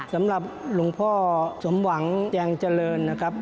สำหรับหลวงพ่อสมหวังแยงเจริญนะครับ